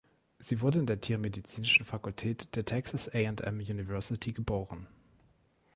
Sie wurde in der tiermedizinischen Fakultät der Texas A&M University geboren.